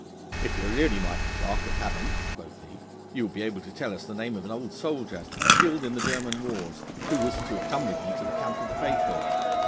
'If you are really Micah Clarke of Havant,' quoth he, 'you will be able to tell us the name of an old soldier, skilled in the German wars, who was to have come with ye to the camp of the faithful.